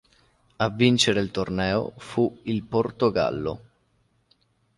A vincere il torneo fu il Portogallo.